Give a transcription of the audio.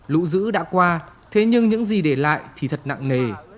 lũ dữ đã qua thế nhưng những gì để lại thì thật nặng nề